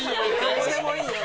どこでもいいよ。